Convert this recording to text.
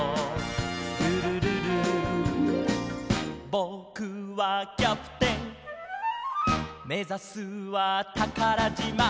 「ぼくはキャプテンめざすはたからじま」